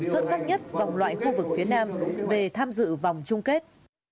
xuất sắc nhất vòng loại khu vực phía nam về tham dự vòng chung kết